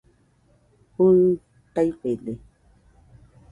Fɨui taifede